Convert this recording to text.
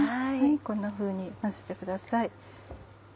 こんなふうに混ぜてください。